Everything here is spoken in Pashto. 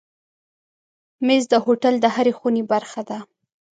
مېز د هوټل د هرې خونې برخه ده.